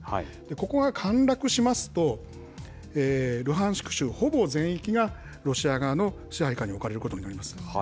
ここが陥落しますと、ルハンシク州、ほぼ全域がロシア側の支配下に置かれることになります。